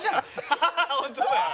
ハハハハホントだよな。